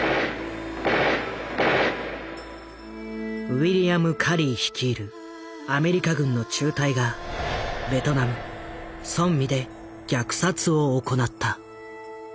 ウィリアム・カリー率いるアメリカ軍の中隊がベトナムソンミで虐殺を行った。